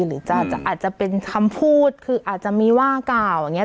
หรืออาจจะเป็นคำพูดคืออาจจะมีว่ากล่าวอย่างนี้